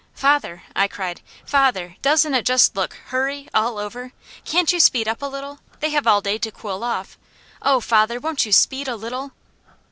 "Father!" I cried. "Father, doesn't it just look HURRY, all over? Can't you speed up a little? They have all day to cool off. Oh father, won't you speed a little?"